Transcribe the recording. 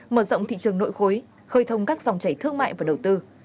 mở rộng thị trường nội khối khơi thông các dòng chảy thương mại và đầu tư